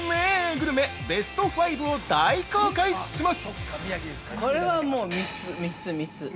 グルメベスト５を大公開します！